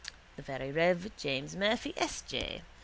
the very rev. James Murphy, S. J.